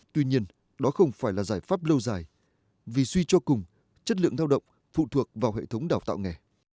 tuy nhiên đó không phải là giải pháp lâu dài vì suy cho cùng chất lượng lao động phụ thuộc vào hệ thống đào tạo nghề